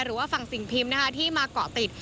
หรือว่าฝั่งสิ่งพิมพ์นะคะที่มาเกาะติด